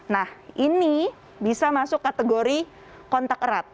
nah ini bisa masuk kategori kontak erat